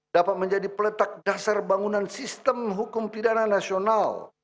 dapat menjadi peletak dasar bangunan sistem hukum pidana nasional